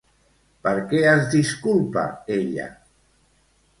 Per què es disculpa ella?